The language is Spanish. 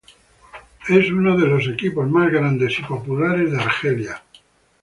Es uno de los equipos más grandes y populares de Argelia.